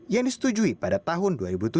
yang disetujui pada tahun dua ribu tujuh